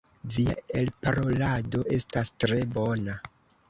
Via elparolado estas tre bona.